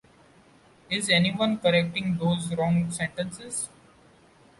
Is anyone correcting those wrong sentences?